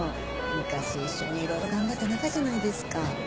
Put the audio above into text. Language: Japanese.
昔一緒に色々頑張った仲じゃないですか。